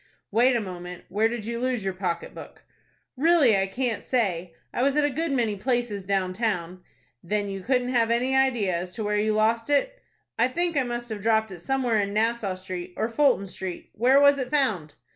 "Wait a moment. Where did you lose your pocket book?" "Really I can't say. I was at a good many places down town." "Then you couldn't give any idea as to where you lost it?" "I think I must have dropped it somewhere in Nassau Street or Fulton Street. Where was it found?"